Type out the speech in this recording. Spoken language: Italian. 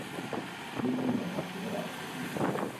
Vicki lo fa scivolare sul dito...